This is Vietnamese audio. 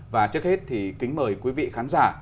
và trước hết thì kính mời quý vị khán giả